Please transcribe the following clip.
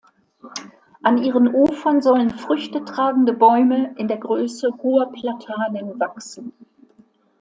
An ihren Ufern sollen Früchte tragende Bäume in der Größe hoher Platanen wachsen.